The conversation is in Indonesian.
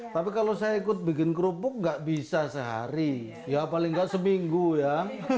tapi kalau saya ikut bikin kerupuk nggak bisa sehari ya paling nggak seminggu ya